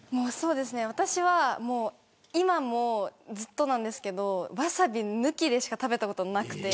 私は、今もずっとなんですけどワサビ抜きでしか食べたことなくて。